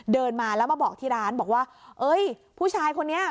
เดินมาแล้วมาบอกที่ร้านบอกว่าเอ้ยผู้ชายคนนี้